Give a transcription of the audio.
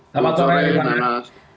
selamat sore pani mas